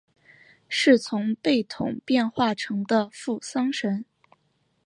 是从贝桶变化成的付丧神。